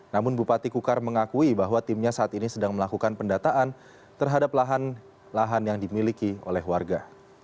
namun bupati kukar mengakui bahwa timnya saat ini sedang melakukan pendataan terhadap lahan lahan yang dimiliki oleh warga